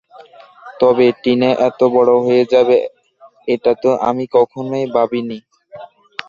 তবে টিনা এত বড় হয়ে যাবে, এটাতো আমি কখনই ভাবিনি।